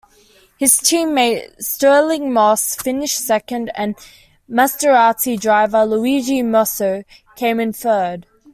His teammate Stirling Moss finished second and Maserati driver Luigi Musso came in third.